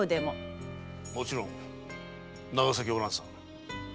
もちろん長崎おらんさん。